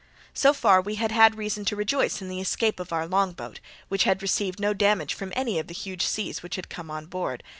So far we had had reason to rejoice in the escape of our longboat, which had received no damage from any of the huge seas which had come on board.